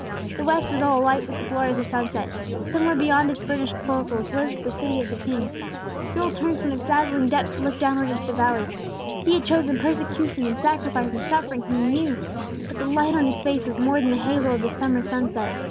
The west was all alight with the glory of the sunset; somewhere beyond its burnished portals lay the City of the King. Joel turned from its dazzling depths to look downward into the valley. He had chosen persecution and sacrifice and suffering, he knew, but the light on his face was more than the halo of the summer sunset.